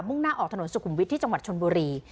่งหน้าออกถนนสุขุมวิทย์ที่จังหวัดชนบุรี